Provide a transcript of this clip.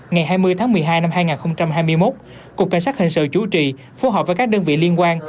ngày hai mươi tháng một mươi hai năm hai nghìn hai mươi một cục cảnh sát hình sự chủ trì phối hợp với các đơn vị liên quan